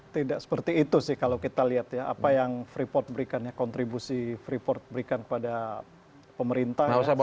tidak seperti itu sih kalau kita lihat ya apa yang freeport berikan ya kontribusi freeport berikan kepada pemerintah